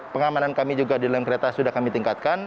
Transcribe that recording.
pengamanan kami juga di dalam kereta sudah kami tingkatkan